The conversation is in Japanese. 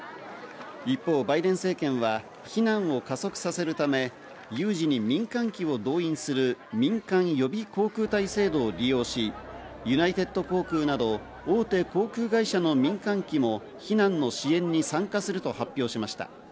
一方、バイデン政権は避難を加速させるため有事で民間機を動員する民間予備航空隊制度を利用し、ユナイテッド航空など大手航空会社の民間機も避難の支援に参加すると発表しました。